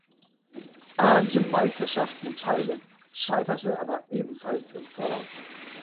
Asienmeisterschaften teil, scheiterte aber ebenfalls im Vorlauf.